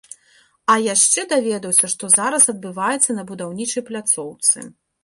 А яшчэ даведаўся, што зараз адбываецца на будаўнічай пляцоўцы.